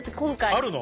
あるの？